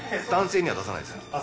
男性には出さないです。